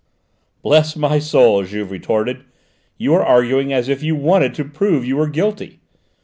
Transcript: "Bless my soul!" Juve retorted, "you are arguing as if you wanted to prove you were guilty.